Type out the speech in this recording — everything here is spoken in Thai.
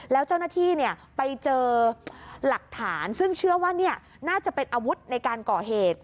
แล้วเจ้าหน้าที่ไปเจอหลักฐานซึ่งเชื่อว่าน่าจะเป็นอาวุธในการก่อเหตุ